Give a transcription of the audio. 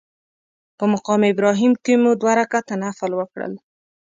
په مقام ابراهیم کې مو دوه رکعته نفل وکړل.